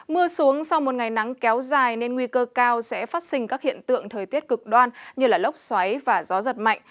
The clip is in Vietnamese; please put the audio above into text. mưa xuống sau một ngày nắng kéo dài nên nguy cơ cao sẽ phát sinh các hiện tượng thời tiết cực đoan như lốc xoáy và gió giật mạnh